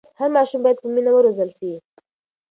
هر ماشوم باید په مینه وروزل سي.